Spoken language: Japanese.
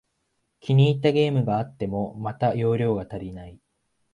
気に入ったゲームがあっても、また容量が足りない